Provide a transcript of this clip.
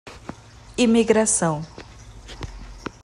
Imigração